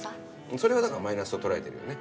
それはだからマイナスと捉えてるよね。